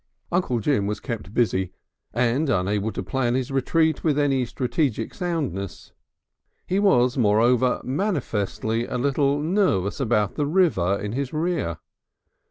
Uncle Jim was kept busy, and unable to plan his retreat with any strategic soundness. He was moreover manifestly a little nervous about the river in his rear.